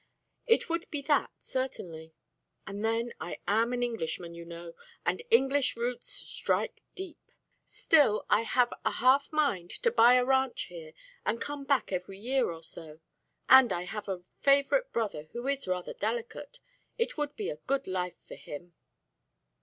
It would be that certainly. But then I am an Englishman, you know, and English roots strike deep. Still, I have a half mind to buy a ranch here and come back every year or so. And I have a favourite brother who is rather delicate; it would be a good life for him."